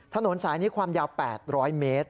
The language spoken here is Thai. ถนนสายนี้ความยาว๘๐๐เมตร